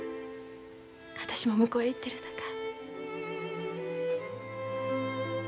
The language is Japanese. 私も向こうへ行ってるさか。